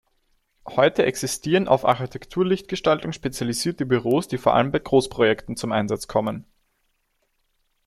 Heute existieren auf Architektur-Lichtgestaltung spezialisierte Büros, die vor allem bei Großprojekten zum Einsatz kommen.